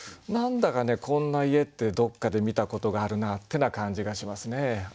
何だかねこんな家ってどっかで見たことがあるなってな感じがしますね。